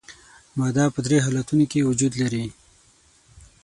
ماده په درې حالتونو کې وجود لري.